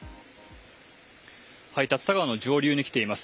竜田川の上流に来ています。